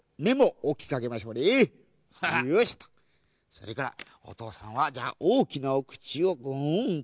それからおとうさんはじゃあおおきなおくちをグーンと。